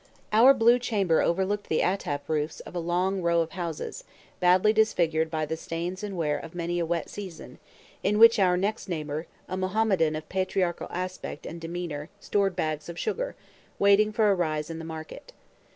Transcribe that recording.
Our blue chamber overlooked the attap roofs of a long row of houses, badly disfigured by the stains and wear of many a wet season, in which our next neighbor, a Mohammedan of patriarchal aspect and demeanor, stored bags of sugar, waiting for a rise in the market.